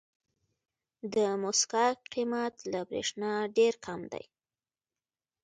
د موسکا قیمت له برېښنا ډېر کم دی.